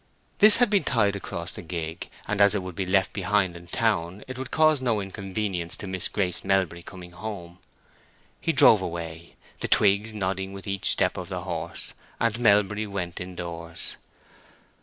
This had been tied across the gig; and as it would be left behind in the town, it would cause no inconvenience to Miss Grace Melbury coming home. He drove away, the twigs nodding with each step of the horse; and Melbury went in doors.